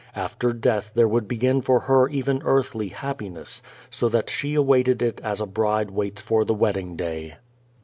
After death there would begin for her even earthly happiness, so that she awaited it as a bride waits for the wedding day.